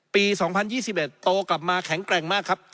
๒๐๒๑โตกลับมาแข็งแกร่งมากครับ